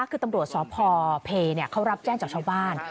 คือตำรวจสพเพเขารับแจ้งจากชาวบ้าน